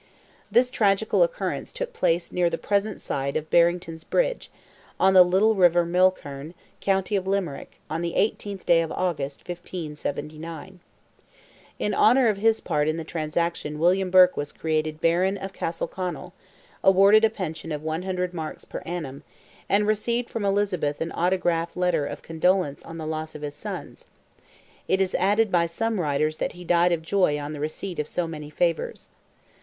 This tragical occurrence took place near the present site of "Barrington's bridge," on the little river Mulkern, county of Limerick, on the 18th day of August, 1579. In honour of his part in the transaction William Burke was created Baron of Castleconnell, awarded a pension of 100 marks per annum, and received from Elizabeth an autograph letter of condolence on the loss of his sons: it is added by some writers that he died of joy on the receipt of so many favours.